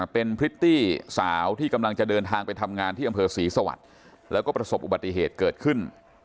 เป็นพริตตี้สาวที่กำลังจะเดินทางไปทำงานที่อำเภอศรีสวรรค์แล้วก็ประสบอุบัติเหตุเกิดขึ้น